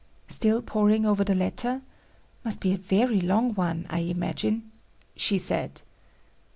"Still poring over the letter? Must be a very long one, I imagine," she said.